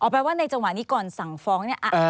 แปลว่าในจังหวะนี้ก่อนสั่งฟ้องเนี่ย